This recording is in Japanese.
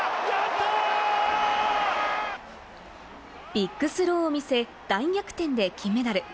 ビッグスローを見せ、大逆転で金メダル。